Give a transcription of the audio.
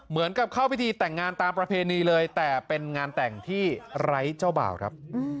เหมือนกับเข้าพิธีแต่งงานตามประเพณีเลยแต่เป็นงานแต่งที่ไร้เจ้าบ่าวครับ